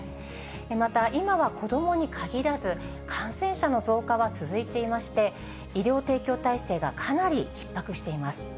また、今は子どもにかぎらず、感染者の増加は続いていまして、医療提供体制がかなりひっ迫しています。